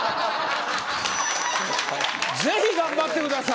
ぜひ頑張ってください。